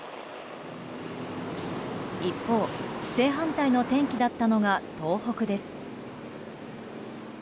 一方、正反対の天気だったのが東北です。